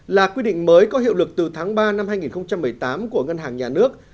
là quy định mới có hiệu lực từ tháng ba năm hai nghìn một mươi tám của ngân hàng nhà nước